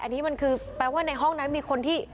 อันนี้มันคือแปลว่าในห้องนั้นมีคนที่